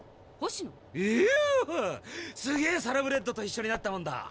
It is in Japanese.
すげえサラブレッドと一緒になったもんだ。